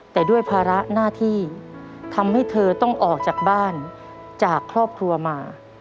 แต่ด้วยภาระหน้าที่ทำให้เธอต้องออกจากบ้านจากครอบครัวมา